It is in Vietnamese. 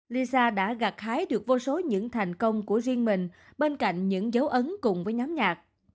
lisa đã gạt hái được vô số những thành công của riêng mình bên cạnh những dấu ấn cùng với nhóm nhạc